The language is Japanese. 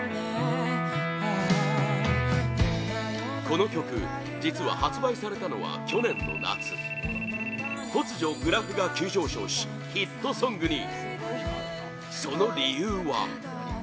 この曲実は発売されたのは去年の夏突如グラフが急上昇しヒットソングに！